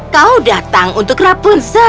kau datang untuk mencari rampunzel